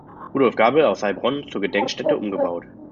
Rudolf Gabel aus Heilbronn zur Gedenkstätte umgebaut.